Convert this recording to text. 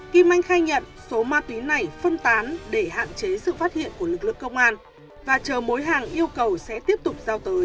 kim anh khai nhận số ma túy này phân tán để hạn chế sự phát triển